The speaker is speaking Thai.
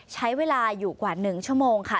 ใช้เวลาอยู่กว่า๑ชั่วโมงค่ะ